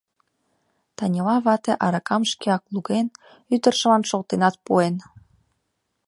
Танила вате аракам шкеак луген, ӱдыржылан шолтенат пуэн.